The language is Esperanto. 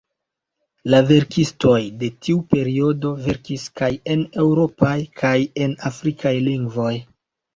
La verkistoj de tiu periodo verkis kaj en eŭropaj kaj en afrikaj lingvoj.